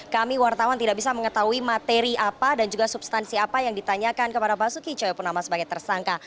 kami wartawan tidak bisa mengetahui materi apa dan juga substansi apa yang ditanyakan kepada basuki cahayapunama sebagai tersangka